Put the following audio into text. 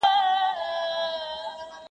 بریالی له هر میدانi را وتلی .!